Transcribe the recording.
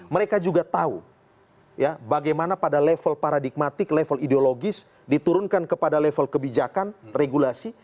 mereka juga tahu bagaimana pada level paradigmatik level ideologis diturunkan kepada level kebijakan regulasi